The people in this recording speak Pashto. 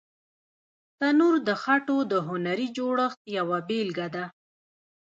تنور د خټو د هنري جوړښت یوه بېلګه ده